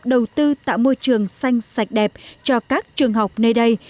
đầu tư tạo môi trường xanh sạch đẹp cho các trường học nơi đây